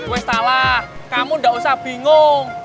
ues salah kamu nggak usah bingung